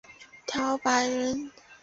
陶弼人。